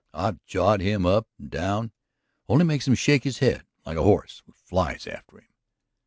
I've jawed him up and down; it only makes him shake his head like a horse with flies after him."